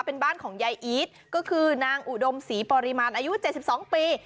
เป็นบ้านของยายอีทก็คือนางอุดมศรีปริมาณอายุ๗๒ปี